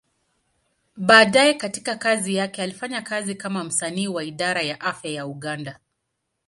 Baadaye katika kazi yake, alifanya kazi kama msanii wa Idara ya Afya ya Uganda.